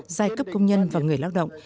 giai cấp công nhân và người lao động